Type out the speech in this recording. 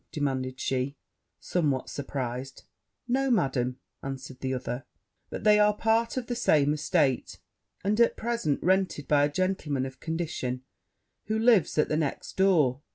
demanded she, somewhat surprized. 'No, Madam,' answered the other; 'but they are part of the same estate, and, at present, rented by a gentleman of condition, who lives at the next door.